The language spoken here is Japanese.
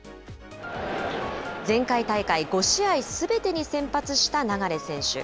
前回大会、５試合すべてに先発した流選手。